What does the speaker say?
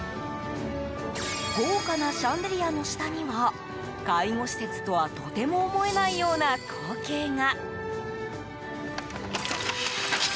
豪華なシャンデリアの下には介護施設とはとても思えないような光景が。